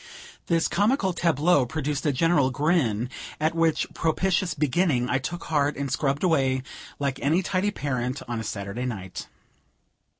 This comical tableau produced a general grin, at which propitious beginning I took heart and scrubbed away like any tidy parent on a Saturday night.